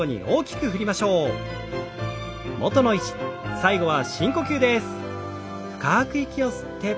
最後は深呼吸です。